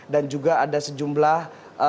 dan juga ada sejumlah